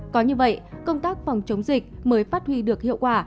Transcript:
có như vậy công tác phòng chống dịch mới phát huy được hiệu quả